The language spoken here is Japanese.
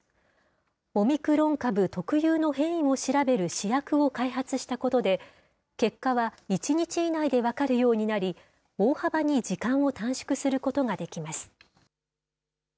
オミクロン株特有の変異を調べる試薬を開発したことで、結果は１日以内で分かるようになり、大幅に時間を短縮することができます。